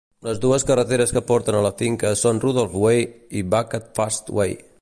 Les dues carreteres que porten a la finca són Rufford Way i Buckfast Way.